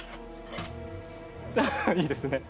いいですね。